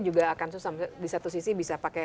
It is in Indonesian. juga akan susah di satu sisi bisa pakai